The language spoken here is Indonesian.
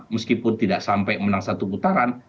meskipun tidak sampai menang satu putaran